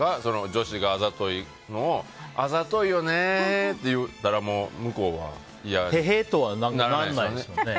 女子があざといのをあざといよねって言ったらてへっとはならないですもんね。